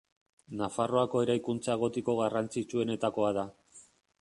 Nafarroako eraikuntza gotiko garrantzitsuenetakoa da.